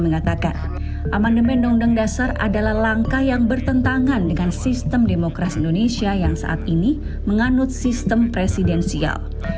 mengatakan amandemen undang undang dasar adalah langkah yang bertentangan dengan sistem demokrasi indonesia yang saat ini menganut sistem presidensial